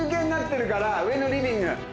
上のリビング。